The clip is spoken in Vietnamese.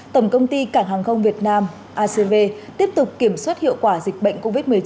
tổng công ty cảng hàng không việt nam acv tiếp tục kiểm soát hiệu quả dịch bệnh covid một mươi chín